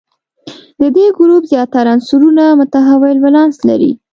د دې ګروپ زیاتره عنصرونه متحول ولانس لري.